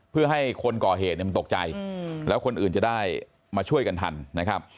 เพื่อให้คนก่อเหตุมันตกใจแล้วคนอื่นจะได้มาช่วยกันทันนะครับ